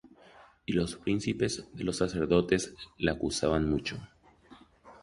Y los príncipes de los sacerdotes le acusaban mucho.